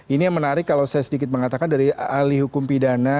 ini yang menarik kalau saya sedikit mengatakan dari ahli hukum pidana